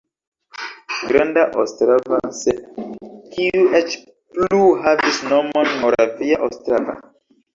Granda Ostrava, sed kiu eĉ plu havis nomon Moravia Ostrava.